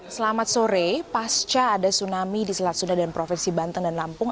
selamat sore pasca ada tsunami di selat sunda dan provinsi banten dan lampung